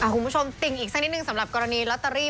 คุณผู้ชมติ่งอีกสักนิดหนึ่งสำหรับกรณีลอตเตอรี่